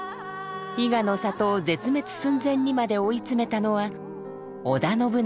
伊賀の里を絶滅寸前にまで追い詰めたのは織田信長でした。